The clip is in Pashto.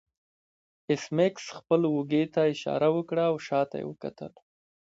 ایس میکس خپل اوږې ته اشاره وکړه او شاته یې وکتل